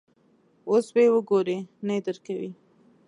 اوس به یې وګورې، نه یې درکوي.